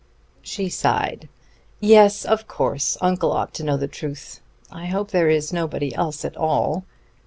She sighed. "Yes, of course, uncle ought to know the truth. I hope there is nobody else at all."